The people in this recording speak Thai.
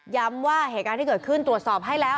ว่าเหตุการณ์ที่เกิดขึ้นตรวจสอบให้แล้ว